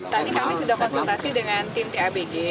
tadi kami sudah konsultasi dengan tim tabg